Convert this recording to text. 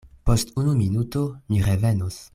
Post unu minuto mi revenos.